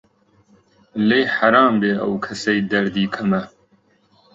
لێی حەرام بێ ئەو کەسەی دەردی کەمە